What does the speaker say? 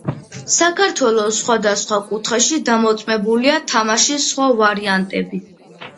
საქართველოს სხვადასხვა კუთხეში დამოწმებულია თამაშის სხვა ვარიანტებიც.